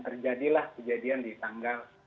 terjadilah kejadian di tanggal